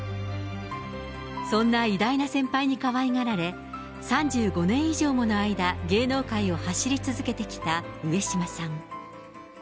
そんな偉大な先輩にかわいがられ、３５年以上もの間、芸能界を走り続けてきた上島さん。